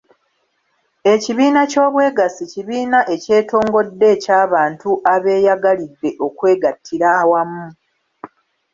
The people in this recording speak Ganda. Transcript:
Ekibiina ky’Obwegassi kibiina ekyetongodde eky’abantu abeeyagalidde okwegattira awamu.